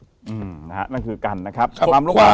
โทษครับนั่นคือกันนะครับความรักที่ไหน